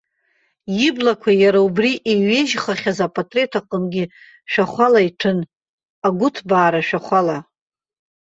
Иблақәа иара убри иҩежьхахьаз апатреҭ аҟынгьы шәахәала иҭәын, агәыҭбаара ашәахәала.